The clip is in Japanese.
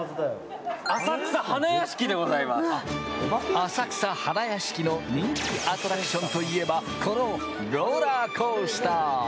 浅草花やしきの人気アトラクションといえば、このローラーコースター。